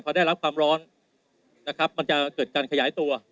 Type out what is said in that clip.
พอได้รับความร้อนนะครับมันจะเกิดการขยายตัว